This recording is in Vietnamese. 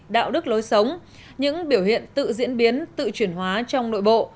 đạo đức lối sống những biểu hiện tự diễn biến tự chuyển hóa trong nội bộ